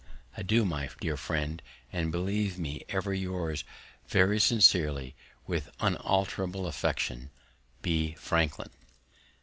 Adieu, my dear friend, and believe me ever yours very sincerely and with unalterable affection, B. Franklin.